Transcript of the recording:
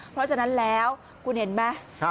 เพราะฉะนั้นแล้วคุณเห็นไหม